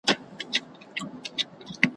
او لۀ مونږ سره به هم یؤ ځای شې.